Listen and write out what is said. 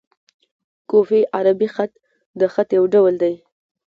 کوفي عربي خط؛ د خط یو ډول دﺉ.